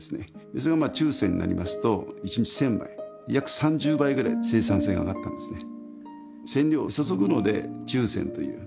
それがまあ注染になりますと一日１０００枚約３０倍ぐらい生産性が上がったんですね